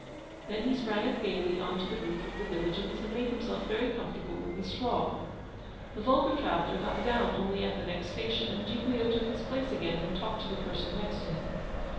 Then he sprang up gaily on to the roof of the diligence, and made himself very comfortable in the straw. The vulgar traveller got down only at the next station, and Giglio took his place again, and talked to the person next to him.